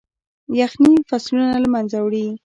يخني فصلونه له منځه وړي.